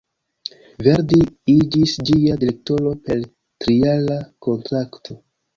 Verdi iĝis ĝia direktoro per trijara kontrakto.